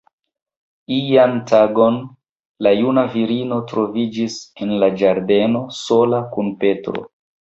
Ian tagon, la juna virino troviĝis en la ĝardeno, sola kun Petro.